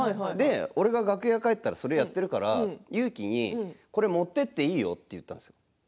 俺が楽屋に入ったらそれをやっているから裕貴にこれを持っていっていいよと言ったんですよ。